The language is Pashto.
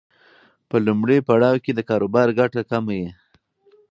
په لومړي پړاو کې د کاروبار ګټه کمه وي.